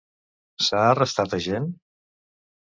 S'ha arrestat a gent?